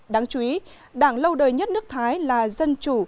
đáng chú ý đảng lâu đời nhất nước thái là dân chủ